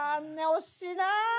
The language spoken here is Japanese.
惜しいな。